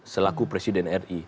selaku presiden ri